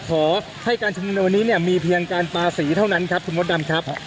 ขอให้การชุมนุมในวันนี้เนี่ยมีเพียงการปาสีเท่านั้นครับคุณมดดำครับ